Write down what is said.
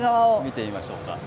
見てみましょうか。